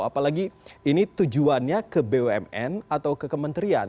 apalagi ini tujuannya ke bumn atau ke kementerian